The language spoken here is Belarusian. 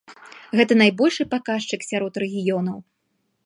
Гэта найбольшы паказчык сярод рэгіёнаў.